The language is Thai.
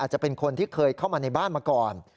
จะเป็นคนที่เคยเข้ามาในบ้านมาก่อน